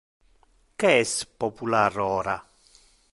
Que es popular ora?